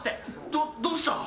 ど、どうした？